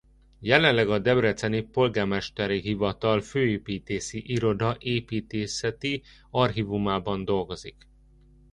Jelenleg a debreceni Polgármesteri Hivatal Főépítészi Iroda építészeti archívumában dolgozik.